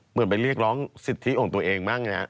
เหมือนไปเรียกร้องสิทธิของตัวเองบ้าง